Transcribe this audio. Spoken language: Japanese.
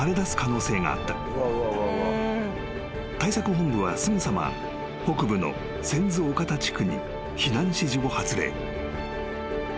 ［対策本部はすぐさま北部の泉津岡田地区に避難指示を発令］